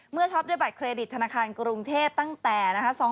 เมื่อช็อปได้บัตรเครดิตธนาคารกรุงเทพฯตั้งแต่นะฮะ